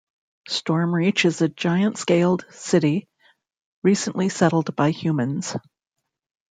Stormreach is a giant-scaled city, recently settled by humans.